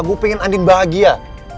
gue pengen andin bahagia